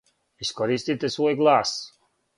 Искористите свој глас.